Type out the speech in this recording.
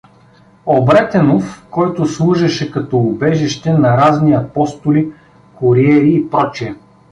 Обретенов, който служеше като убежище на разни апостоли, куриери и пр.